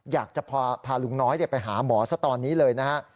อยากจะพาลุงน้อยไปหาหมอซะตอนนี้เลยนะฮะ